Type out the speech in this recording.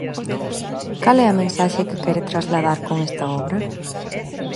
Cal é a mensaxe que quere trasladar con esta obra?